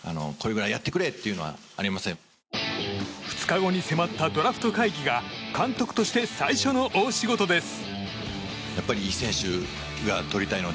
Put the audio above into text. ２日後に迫ったドラフト会議が監督として最初の大仕事です。